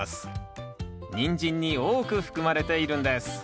ニンジンに多く含まれているんです。